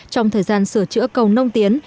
trong thời gian sửa chữa cầu nông tiến